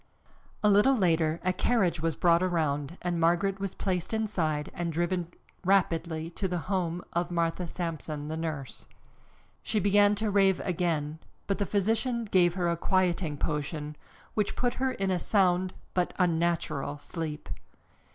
A little later a carriage was brought around and Margaret was placed inside and driven rapidly to the home of Martha Sampson, the nurse. She began to rave again, but the physician gave her a quieting potion, which put her in a sound but unnatural sleep.